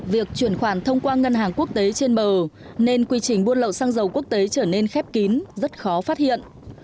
việc chuyển khoản thông qua ngân hàng quốc tế trên bờ nên quy trình buôn lậu xăng dầu quốc tế trở nên khép kín rất khó phát hiện